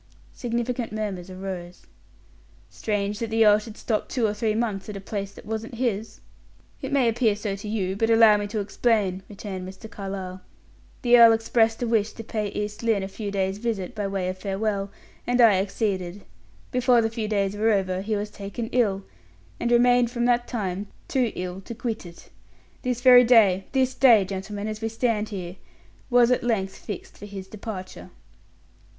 Significant murmurs arose. "Strange that the earl should stop two or three months at a place that wasn't his." "It may appear so to you, but allow me to explain," returned Mr. Carlyle. "The earl expressed a wish to pay East Lynne a few days' visit, by way of farewell, and I acceded. Before the few days were over, he was taken ill, and remained, from that time, too ill to quit it. This very day this day, gentlemen, as we stand here, was at length fixed for his departure."